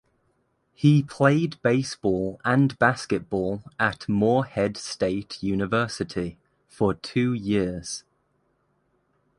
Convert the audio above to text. He played baseball and basketball at Morehead State University for two years.